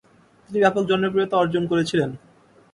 তিনি ব্যাপক জনপ্রিয়তা অর্জন করেছিলেন।